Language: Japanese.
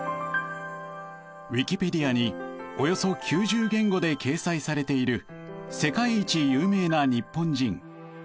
ウィキペディアにおよそ９０言語で掲載されている世界一有名な日本人。